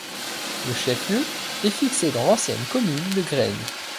Le chef-lieu est fixé dans l'ancienne commune de Graignes.